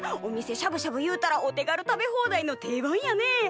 お店しゃぶしゃぶ言うたらお手軽食べ放題の定番やね。